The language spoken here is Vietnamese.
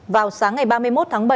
vào sáng ngày ba mươi một tháng bảy